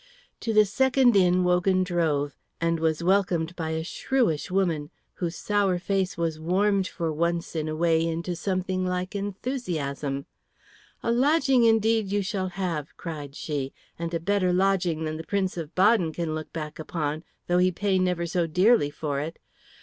To this second inn Wogan drove, and was welcomed by a shrewish woman whose sour face was warmed for once in a way into something like enthusiasm. "A lodging indeed you shall have," cried she, "and a better lodging than the Prince of Baden can look back upon, though he pay never so dearly for it.